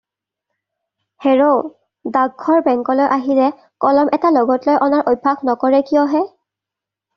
হেৰৌ, ডাকঘৰ, বেংকলৈ আহিলে কলম এটা লগত লৈ অনাৰ অভ্যাস নকৰে কিয় হে'?